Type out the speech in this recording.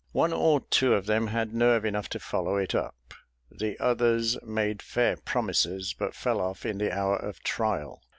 One or two of them had nerve enough to follow it up: the others made fair promises, but fell off in the hour of trial.